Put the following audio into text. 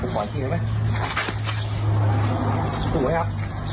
ไหล่ครับ